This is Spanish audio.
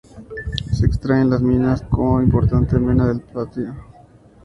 Se extrae en las minas como importante mena del platino.